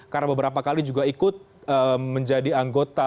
karena beberapa kali juga ikut menjadi anggota